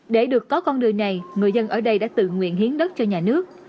để được có con đường này người dân ở đây đã tự nguyện hiến đất cho nhà nước